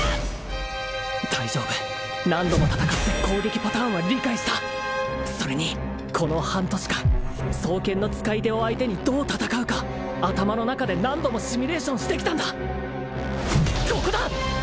大丈夫何度も戦って攻撃パターンは理解したそれにこの半年間双剣の使い手を相手にどう戦うか頭の中で何度もシミュレーションしてきたんだここだ！